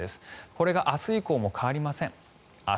これが明日以降も変わりません。